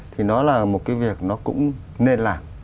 thì nó là một cái việc nó cũng nên làm